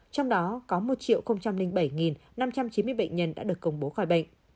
trong đó có một bảy năm trăm chín mươi bệnh nhân đã được công bố khỏi bệnh